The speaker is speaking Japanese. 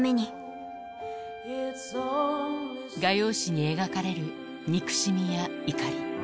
画用紙に描かれる憎しみや怒り。